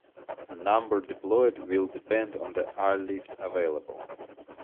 The number deployed will depend on the airlift available.